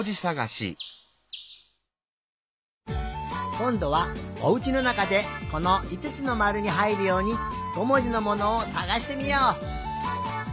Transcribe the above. こんどはおうちのなかでこのいつつのまるにはいるように５もじのものをさがしてみよう！